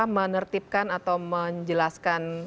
menertibkan atau menjelaskan